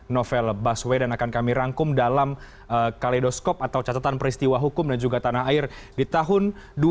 novel baswedan akan kami rangkum dalam kaledoskop atau catatan peristiwa hukum dan juga tanah air di tahun dua ribu dua puluh